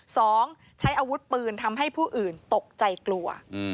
ใช้อาวุธปืนทำให้ผู้อื่นตกใจกลัว